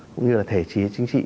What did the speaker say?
cũng như là thể trí